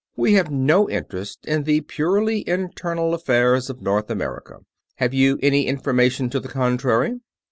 We have no interest in the purely internal affairs of North America. Have you any information to the contrary?"